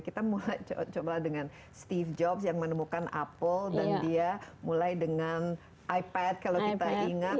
kita mulai coba dengan steve jobs yang menemukan apple dan dia mulai dengan ipad kalau kita ingat